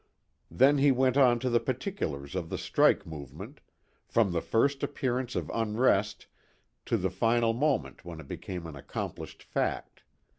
Then he went on to the particulars of the strike movement, from the first appearance of unrest to the final moment when it became an accomplished fact.